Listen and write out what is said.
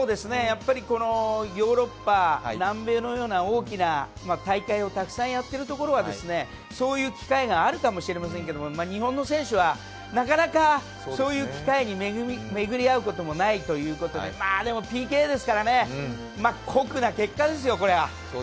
ヨーロッパ、南米のような大きな大会をたくさんやっているところはそういう機会があるかもしれませんが日本の選手は、なかなかそういう機会に巡り会うこともないということで、でも、ＰＫですからね、酷な結果ですよ、これは。